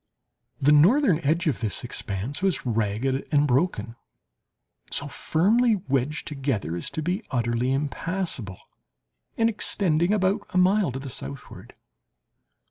The northern edge of this expanse was ragged and broken, so firmly wedged together as to be utterly impassible, and extending about a mile to the southward.